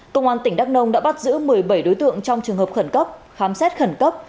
công an tỉnh đắk nông đã bắt giữ một mươi bảy đối tượng trong trường hợp khẩn cấp khám xét khẩn cấp